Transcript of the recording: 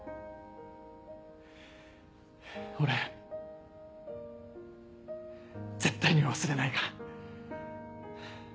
俺絶対に忘れないから。